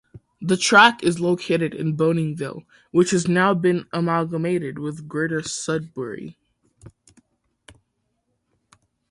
The track is located in Boninville, which has now been amalgamated with Greater Sudbury.